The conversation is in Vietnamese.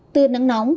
từ nắng nóng